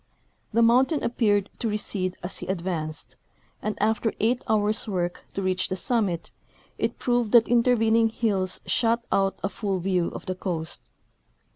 The mountain appeared to recede as he advanced, and after eight hours' work to reach the summit, it proved that interven ing hills shut out a full view of the coast.